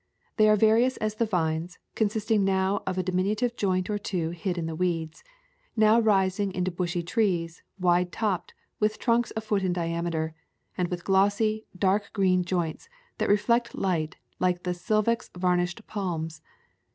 They are various as the vines, consisting now of a dimin utive joint or two hid in the weeds, now rising into bushy trees, wide topped, with trunks a foot in diameter, and with glossy, dark green joints that reflect light like the silex varnished palms.